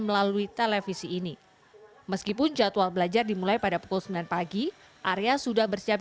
melalui televisi ini meskipun jadwal belajar dimulai pada pukul sembilan pagi arya sudah bersiap